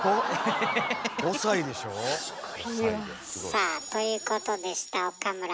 さあということでした岡村。